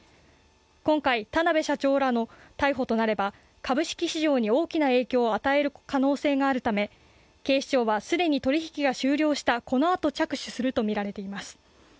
今回、田辺社長らの逮捕となれば株式市場に大きな影響を与える可能性があるため、警視庁は既に取り引きが終了した、このあと着手するとみられています。